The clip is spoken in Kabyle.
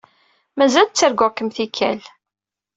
Mazal ttarguɣ-kem tikkal.